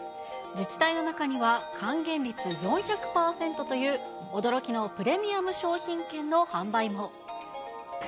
自治体の中には、還元率４００％という驚きのプレミアム商品券の販売も。